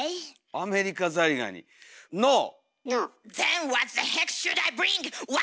アメリカザリガニノー！